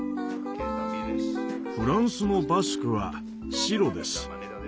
フランスのバスクは白です。